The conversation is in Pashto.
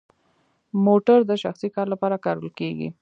موټر د شخصي کار لپاره کارول کیږي؟